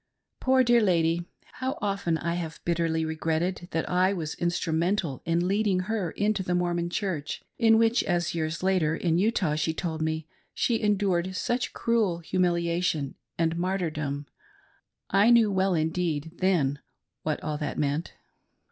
Poor, dear lady ! How often have I bitterly regretted that I was instrumental in leading her into the Mormon Church, in which, as years later, in Utah, she told me, she endured such cruel humiliation and martyrdom. I knew well indeed then what all that meant.